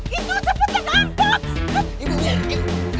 itu cepetan ampuk